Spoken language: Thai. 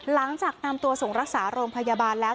หลังจากนำตัวส่งรักษาโรงพยาบาลแล้ว